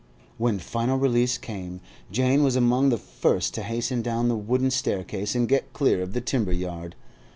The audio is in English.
When final release came, Jane was among the first to hasten down the wooden staircase and get clear of the timber yard.